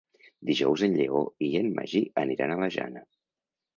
Dijous en Lleó i en Magí aniran a la Jana.